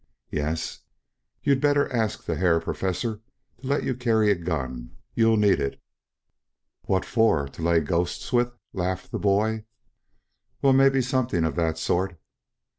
"Yes." "You'd better ask the Herr Professor to let you carry a gun. You'll need it." "What for to lay ghosts with?" laughed the boy. "Well, mebby something of that sort."